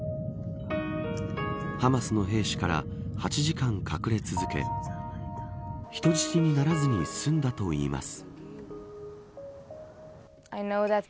ハマスの兵士から８時間隠れ続け人質にならずに済んだといいます。